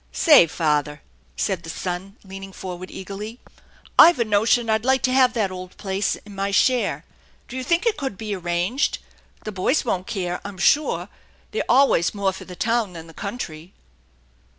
" Say, father," said the son, leaning forward eagerly, "Pve a notion I'd like to have that old place in my share. Do you think it could be arranged? The boys won't care, I'm sure ; they're always more for the town than the country."